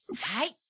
はい。